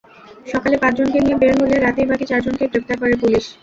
সকালে পাঁচজনকে নিয়ে বের হলে রাতেই বাকি চারজনকে গ্রেপ্তার করে পুলিশ।